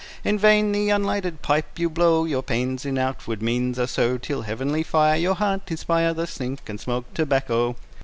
In vain the unlighted pipe you blow, Your pains in outward means are so, Till heavenly fire Your heart inspire. Thus think, and smoke tobacco.